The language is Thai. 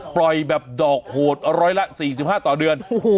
ปล่อยแบบดอกโหดร้อยละ๔๕ต่อเดือน